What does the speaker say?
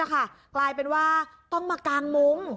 กลายเป็นว่าต้องมากางมุ้ง